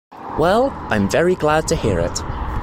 Well, I'm very glad to hear it.